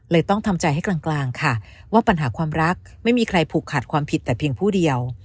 ต้องทำใจให้กลางค่ะว่าปัญหาความรักไม่มีใครผูกขาดความผิดแต่เพียงผู้เดียว